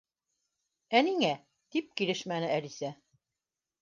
—Ә ниңә? —тип килешмәне Әлисә.